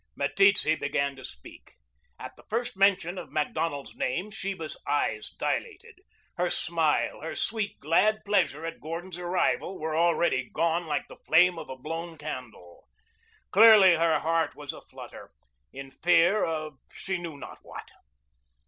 Meteetse began to speak. At the first mention of Macdonald's name Sheba's eyes dilated. Her smile, her sweet, glad pleasure at Gordon's arrival, were already gone like the flame of a blown candle. Clearly her heart was a flutter, in fear of she knew not what.